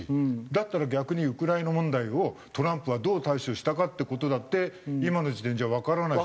だったら逆にウクライナ問題をトランプはどう対処したかっていう事だって今の時点じゃわからない。